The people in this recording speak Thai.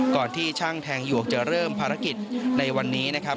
ที่ช่างแทงหยวกจะเริ่มภารกิจในวันนี้นะครับ